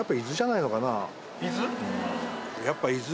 伊豆？